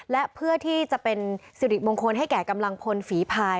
และเพื่อที่จะเป็นสิริมงคลให้แก่กำลังพลฝีภาย